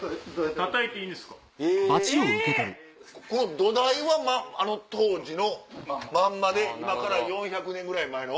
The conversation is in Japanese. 土台は当時のまんまで今から４００年ぐらい前の？